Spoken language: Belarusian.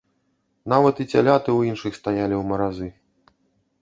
Нават і цяляты ў іншых стаялі ў маразы.